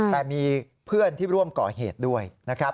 แต่มีเพื่อนที่ร่วมก่อเหตุด้วย